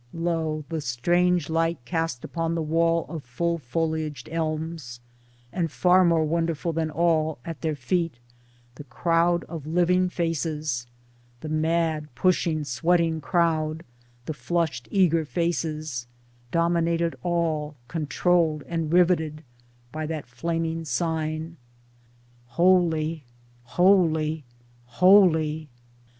Lo ! the strange light cast upon the wall of full foliaged elms; and far more wonderful than all, at their feet, the crowd of living faces — The mad pushing sweating crowd, the flushed eager faces — dominated all, controlled and riveted by that flaming sign. Holy! holy! holy!